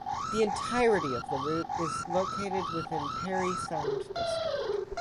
The entirety of the route is located within Parry Sound District.